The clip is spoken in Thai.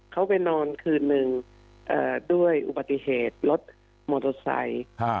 เขาไปนอนคืนนึงด้วยอุบัติเหตุรถมอเตอร์ไซค์